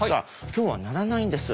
今日は鳴らないんです。